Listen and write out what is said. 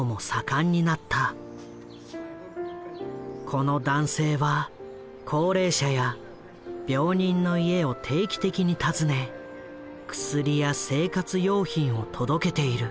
この男性は高齢者や病人の家を定期的に訪ね薬や生活用品を届けている。